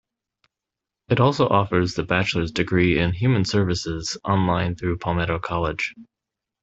It also offers the bachelor's degree in human services online through Palmetto College.